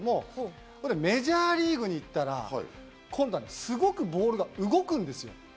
メジャーリーグに行ったら、今度はすごくボールが動くんです。